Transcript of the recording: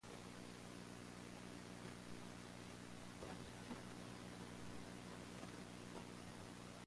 Their sound consists of a mixture of Funk, Jazz, world music and western pop.